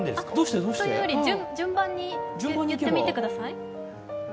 それより順番に言ってみてください。